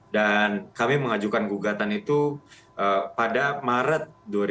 dan kami mengajukan gugatan itu pada maret dua ribu dua puluh tiga